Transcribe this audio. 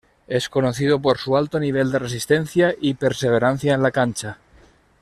Es conocido por su alto nivel de resistencia y perseverancia en la cancha.